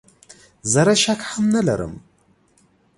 زره شک هم نه لرم .